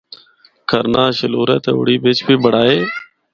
کرناہ، شلورہ تے اوڑی بچ بھی بنڑائے۔